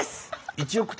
１億点？